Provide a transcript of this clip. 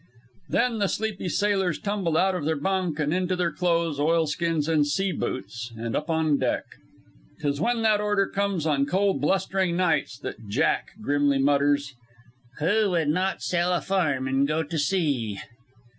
Then the sleepy sailors tumbled out of their bunk and into their clothes, oil skins, and sea boots and up on deck. 'Tis when that order comes on cold, blustering nights that "Jack" grimly mutters: "Who would not sell a farm and go to sea?"